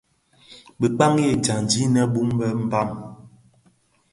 Bi kpagi dyandi innë boumbot dhi Mbam.